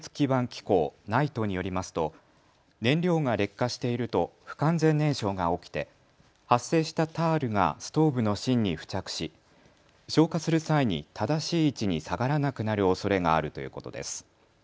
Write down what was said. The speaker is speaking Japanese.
機構・ＮＩＴＥによりますと燃料が劣化していると不完全燃焼が起きて発生したタールがストーブの芯に付着し消火する際に正しい位置に下がらなくなるおそれがあるということです。